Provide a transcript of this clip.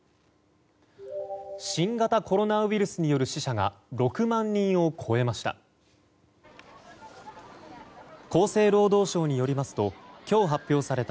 新型コロナウイルスによる死者が６万人を超えました。